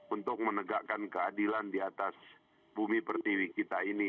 untuk menegakkan keadilan di atas bumi pertiwi kita ini